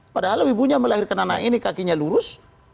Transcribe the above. padahal ibunya melahirkan anak ini kakinya lurus